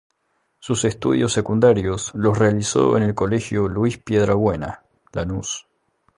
Sus estudios secundarios los realizó en el Colegio Luis Piedra Buena -Lanús-.